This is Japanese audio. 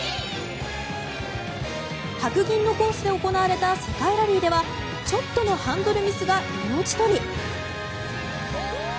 白銀のコースで行われた世界ラリーではちょっとのハンドルミスが命取り。